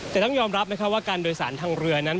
แต่ต้องยอมรับว่าการโดยสารทางเรือนั้น